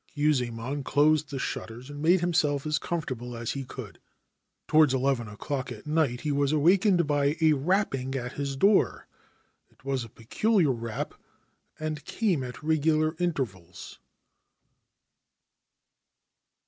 Kyuzaemon closed the shutters, and made himself as comfortable as he could. Towards eleven o'clock at night he was awakened by a rapping at his door ; it was a peculiar rap, and came at regular intervals.